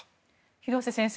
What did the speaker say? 廣瀬先生